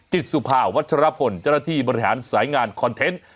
สุภาวัชรพลเจ้าหน้าที่บริหารสายงานคอนเทนต์